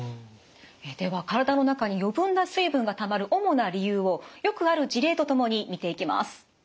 では体の中に余分な水分がたまる主な理由をよくある事例とともに見ていきます。